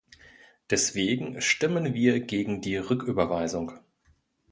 Deswegen stimmen wir gegen die Rücküberweisung.